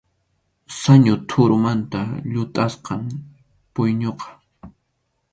Sañu tʼurumanta llutʼasqam pʼuyñuqa.